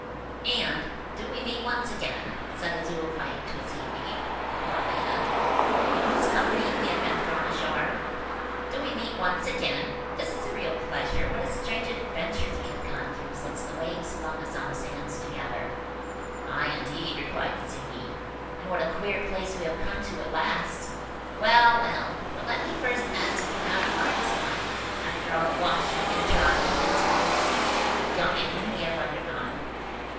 And, "Do we meet once again?" said a zoophyte to a seaweed (a Corallina ) in whose company he had been thrown ashore,– "Do we meet once again? This is a real pleasure. What strange adventures we have gone through since the waves flung us on the sands together!" "Ay, indeed," replied the Seaweed, "and what a queer place we have come to at last! Well, well–but let me first ask you how you are this morning, after all the washing, and drying, and squeezing, and gumming, we have undergone?"